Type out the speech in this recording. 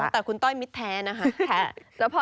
แต่คุณต้อยมิดแท้นะแล้วพอ